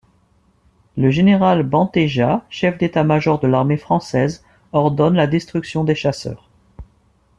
Le général Bentégeat, chef d'état-major de l'armée française, ordonne la destruction des chasseurs.